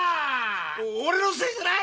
お俺のせいじゃない！